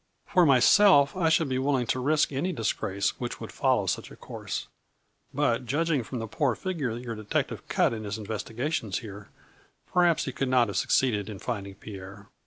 " For myself, I should be willing to risk any disgrace which would follow such a course. But, judging from the poor figure your detective cut 148 A FLURRY IN DIAMONDS. in his investigations here, perhaps he could not have succeeded in finding Pierre.